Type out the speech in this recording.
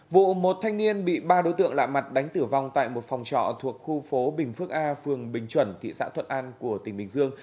vụ một thanh niên bị ba đối tượng lạ mặt đánh tử vong tại một phòng trọ thuộc khu phố bình phước a phường bình chuẩn thị xã thuận an của tỉnh bình dương